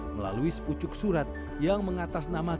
melalui sepucuk surat yang mengatas nama baduy